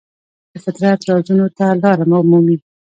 د فطرت رازونو ته لاره مومي.